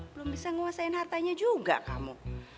belum bisa nguasain hartanya juga kamu